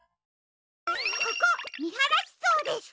ここみはらしそうです！